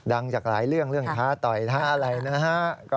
จากหลายเรื่องเรื่องท้าต่อยท้าอะไรนะฮะ